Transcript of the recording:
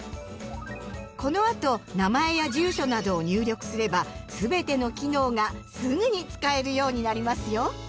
このあと名前や住所などを入力すればすべての機能がすぐに使えるようになりますよ。